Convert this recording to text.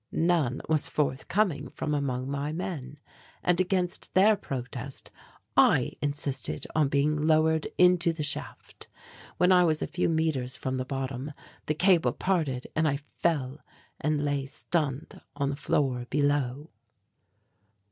None was forthcoming from among my men, and against their protest I insisted on being lowered into the shaft. When I was a few metres from the bottom the cable parted and I fell and lay stunned on the floor below.